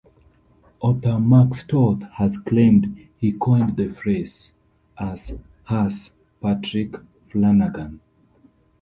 Author Max Toth has claimed he coined the phrase, as has Patrick Flanagan.